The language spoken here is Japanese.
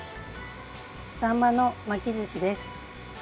サンマの巻きずしです。